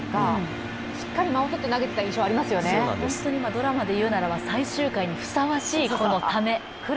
ドラマでいうならば最終回にふさわしい、ため。